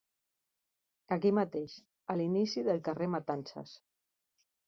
Aquí mateix, a l'inici del carrer Matances.